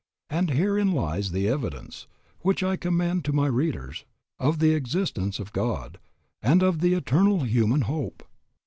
And herein lies the evidence, which I commend to my readers, of the existence of God, and of the Eternal human Hope.